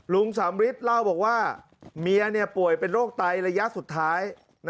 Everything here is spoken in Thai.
ลุงสำริทเล่าบอกว่าเมียป่วยเป็นโรคไตระยะสุดท้าย